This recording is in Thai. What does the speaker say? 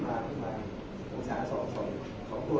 แต่ว่าไม่มีปรากฏว่าถ้าเกิดคนให้ยาที่๓๑